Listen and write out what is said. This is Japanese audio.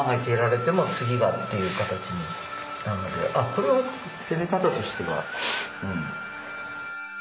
これは攻め方としてはうん。